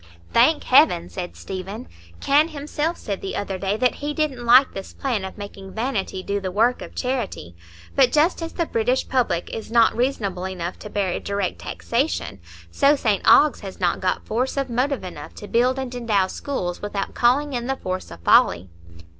"Thank Heaven!" said Stephen. "Kenn himself said the other day that he didn't like this plan of making vanity do the work of charity; but just as the British public is not reasonable enough to bear direct taxation, so St Ogg's has not got force of motive enough to build and endow schools without calling in the force of folly."